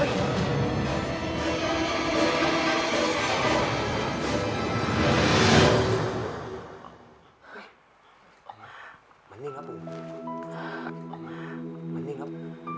เฮ้ยเอามามานี่ครับ